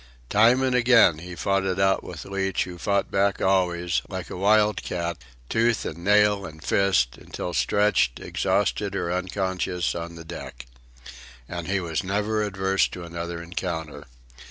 Time and again he fought it out with Leach who fought back always, like a wildcat, tooth and nail and fist, until stretched, exhausted or unconscious, on the deck. And he was never averse to another encounter.